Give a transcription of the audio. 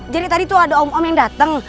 jadi tadi tuh ada om om yang dateng